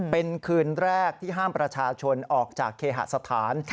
เป็นคืนแรกที่ห้ามประชาชนออกจากเคหสถาน